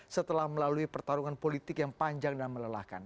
setelah melalui pertarungan politik yang panjang dan melelahkan